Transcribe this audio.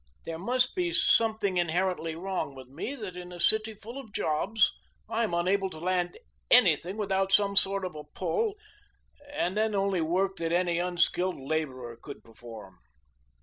"There must be something inherently wrong with me that in a city full of jobs I am unable to land anything without some sort of a pull and then only work that any unskilled laborer could perform."